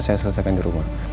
saya selesaikan di rumah